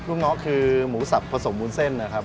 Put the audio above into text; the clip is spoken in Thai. ลูกน้องคือหมูสับผสมวุ้นเส้นนะครับ